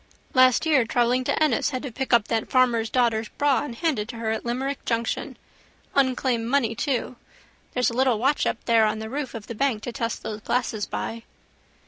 Last year travelling to Ennis had to pick up that farmer's daughter's bag and hand it to her at Limerick junction. Unclaimed money too. There's a little watch up there on the roof of the bank to test those glasses by.